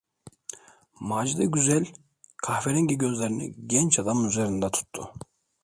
Macide güzel, kahverengi gözlerini genç adamın üzerinde tuttu.